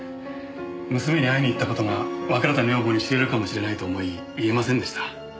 娘に会いに行った事が別れた女房に知れるかもしれないと思い言えませんでした。